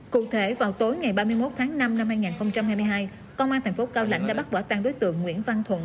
cụ thể vào tối ngày ba mươi một tháng năm năm hai nghìn hai mươi hai công an thành phố cao lãnh đã bắt quả tăng đối tượng nguyễn văn thuận